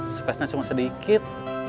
space nya cuma sedikit